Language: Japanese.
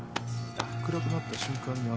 暗くなった瞬間に。